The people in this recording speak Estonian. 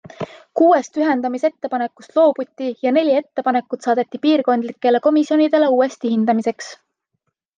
Kuuest ühendamisettepanekust loobuti ja neli ettepanekut saadeti piirkondlikele komisjonidele uuesti hindamiseks.